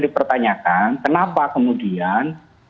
dipertanyakan kenapa kemudian